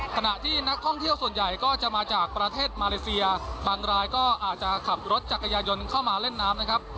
ขณะที่นักท่องเที่ยวส่วนใหญ่ก็จะมาจากประเทศมาเลเซียบางรายก็อาจจะขับรถจักรยายนต์เข้ามาเล่นน้ำนะครับ